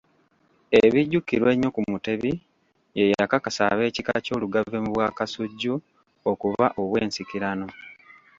Ebijjukirwa ennyo ku Mutebi, ye yakakasa ab'ekika ky'Olugave mu Bwakasujju okuba obw'ensikirano.